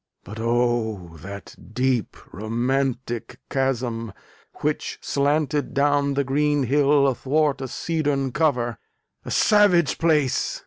But oh! that deep romantic chasm which slanted Down the green hill athwart a cedarn cover! A savage place!